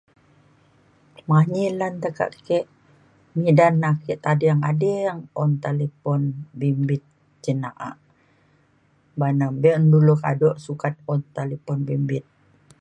Manyi lan tekak kek, midan ake tading - tading un talipon bimbit cen na'ak , oban bi'un dulue kadok sukat un talipon bimbit